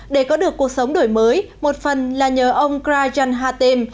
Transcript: để có được cuộc sống đổi mới một phần là nhờ ông krajan hatem